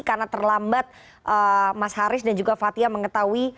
karena terlambat mas haris dan juga fathia mengetahui